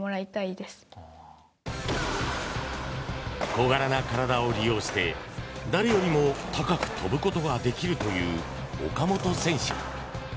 小柄な体を利用して誰よりも高く跳ぶことができるという岡本選手。